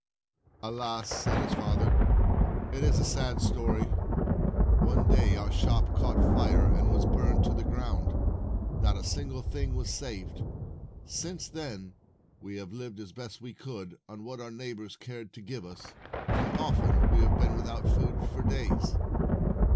' 253 254 "Alas," said his father, "it is a sad story! One day our shop caught fire and was burned to the ground; not a single thing was saved. Since then, we have lived, as best we could, on what our neighbors cared to give us, and often we have been without food for days."